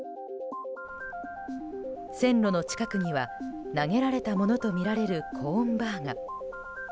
線路の近くには投げられたものとみられる、コーンバーが。